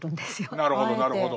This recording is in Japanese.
なるほどなるほど。